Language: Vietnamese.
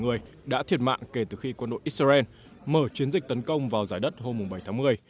hai mươi năm mươi bảy người đã thiệt mạng kể từ khi quân đội israel mở chiến dịch tấn công vào giải đất hôm bảy tháng một mươi